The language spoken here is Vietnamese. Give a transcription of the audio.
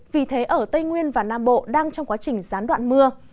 vì thế ở tây nguyên và nam bộ đang trong quá trình gián đoạn mưa